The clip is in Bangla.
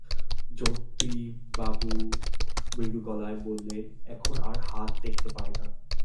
জ্যোতিবাবু মৃদু গলায় বললেন, এখন আর হাত দেখতে পারি না।